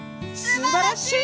すばらしい！